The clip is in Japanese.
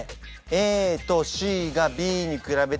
ＡとＣがＢに比べて甘め。